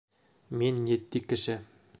Мин етди кеше.